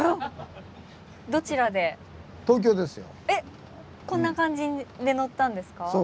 えっこんな感じで乗ったんですか？